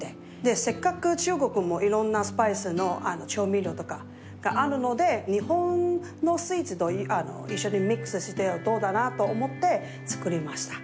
せっかく中国もいろんなスパイスの調味料とかがあるので日本のスイーツと一緒にミックスしてどうかなと思って作りました。